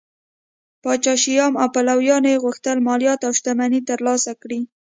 پاچا شیام او پلویانو یې غوښتل مالیات او شتمنۍ ترلاسه کړي